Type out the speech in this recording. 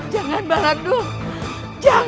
jangan mbak landung